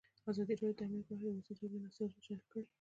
ازادي راډیو د امنیت په اړه د ولسي جرګې نظرونه شریک کړي.